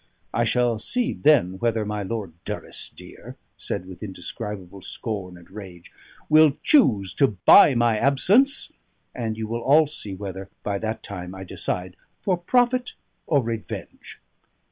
I shall see then whether my Lord Durrisdeer" (said with indescribable scorn and rage) "will choose to buy my absence; and you will all see whether, by that time, I decide for profit or revenge."